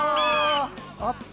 あった。